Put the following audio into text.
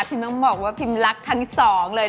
พิมพ์มันบอกว่าพิมพ์รักทั้งสอง